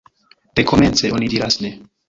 Dekomence, oni diras Ne!